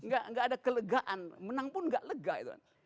gak ada kelegaan menang pun gak lega itu